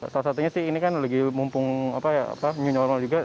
salah satunya sih ini kan lagi mumpung new normal juga